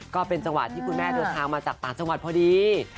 ก็เป็นจังหวะที่คุณแม่เดินทางมาจากต่างจังหวัดพอดี